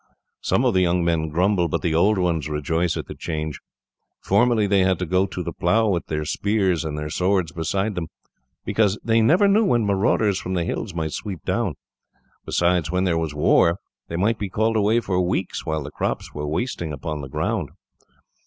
Some of the young men grumble, but the old ones rejoice at the change. Formerly, they had to go to the plough with their spears and their swords beside them, because they never knew when marauders from the hills might sweep down; besides, when there was war, they might be called away for weeks, while the crops were wasting upon the ground.